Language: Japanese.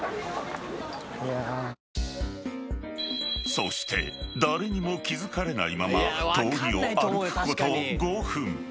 ［そして誰にも気付かれないまま通りを歩くこと５分］